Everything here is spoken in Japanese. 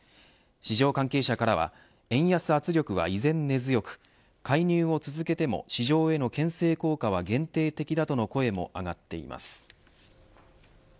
市場関係者からは円安圧力は依然根強く介入を続けても市場へのけん制効果は限定的だとの声も上がっています。